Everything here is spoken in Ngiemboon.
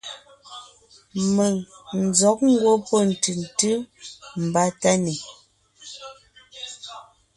Mèŋ n zɔ̌g ngwɔ́ pɔ́ ntʉ̀ntʉ́ mbà Tánè,